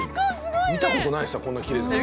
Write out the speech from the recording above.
見た事ないですわこんなきれいな海。